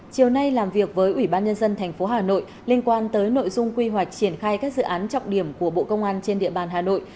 chiều nay làm việc với ủy ban nhân dân tp hà nội liên quan tới nội dung quy hoạch triển khai các dự án trọng điểm của bộ công an trên địa bàn hà nội